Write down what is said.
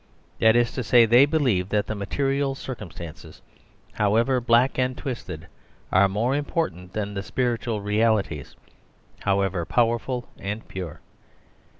That is to say, they believe that the material circumstances, however black and twisted, are more important than the spiritual realities, however powerful and pure.